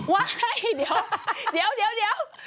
ว่ายเดี๋ยวเดี๋ยวเดี๋ยว